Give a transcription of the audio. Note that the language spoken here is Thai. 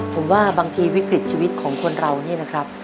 ผมว่าบางทีวิกฤตชีวิตของคนเรานี่นะครับ